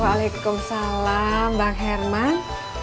waalaikumsalam bang herman